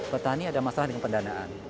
petani ada masalah dengan pendanaan